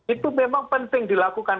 itu memang penting dilakukan